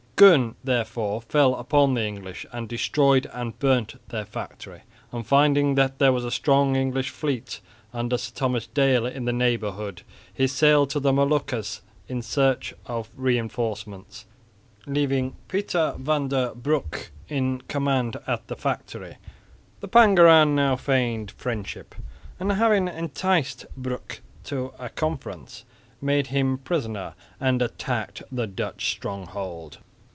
Koen thereupon fell upon the English and destroyed and burnt their factory, and finding that there was a strong English fleet under Sir Thomas Dale in the neighbourhood, he sailed to the Moluccas in search of reinforcements, leaving Pieter van der Broeck in command at the factory. The Pangeran now feigned friendship, and having enticed Broeck to a conference, made him prisoner and attacked the Dutch stronghold.